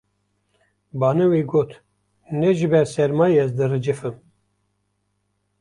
Baniwê got: Ne ji ber sermayê ez direcifim